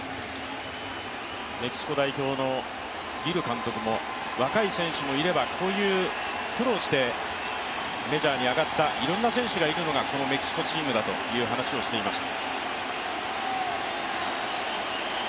メキシコ代表のギル監督も若い選手もいればこういう苦労してメジャーに上がったいろんな選手がいるのがこのメキシコチームだという話をしていました。